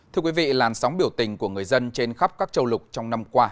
thưa quý vị làn sóng biểu tình của người dân trên khắp các châu lục trong năm qua